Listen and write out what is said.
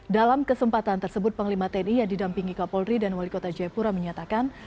dalam kesempatan tersebut panglima tni yang didampingi kapolri dan wali kota jayapura menyatakan